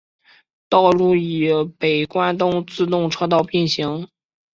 道路与北关东自动车道并行。